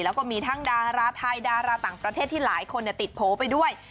แล้วก็มีทั้งดาราไทยดาราต่างประเทศที่หลายคนติดโผล่ไปด้วย